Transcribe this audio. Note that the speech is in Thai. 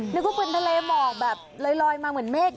นึกว่าเป็นทะเลหมอกแบบลอยมาเหมือนเมฆ